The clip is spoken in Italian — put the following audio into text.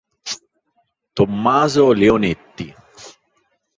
Tommaso Leonetti